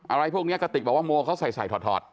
อะไรพวกนี้กระติกบอกว่าโมเขาใส่ถอด